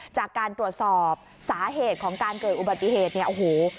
จากการตรวจสอบสาเหตุของการเกิดอุบัติเหตุ